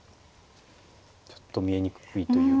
ちょっと見えにくいというか。